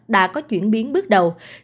đã có chuyển biến bước đầu